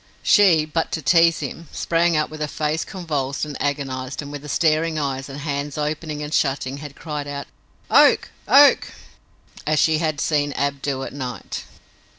She, but to tease him, sprang up with a face convulsed and agonized, and with staring eyes and hands opening and shutting, had cried out "Oak! Oak!" as she had seen Ab do at night.